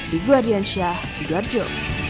di guadian syah sudarjo